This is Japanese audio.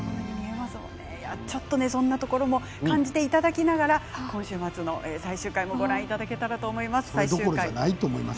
そんなところも感じていただきながら今週末の最終回もご覧いただけたらと思います。